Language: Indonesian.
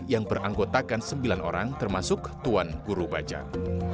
yang beranggotakan sembilan orang termasuk tuan guru bajang